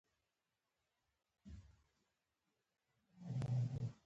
کريم : له ځان سره يې ووېل: